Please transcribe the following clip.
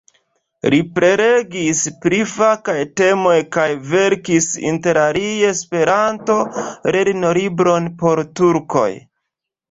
Li prelegis pri fakaj temoj kaj verkis interalie Esperanto-lernolibron por turkoj.